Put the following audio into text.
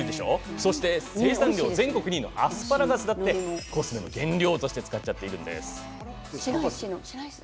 生産量全国２位のアスパラガスだってコスメの原料として使っています。